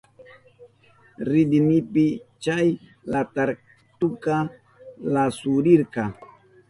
Ridinipi chay lakartuka lasurirka.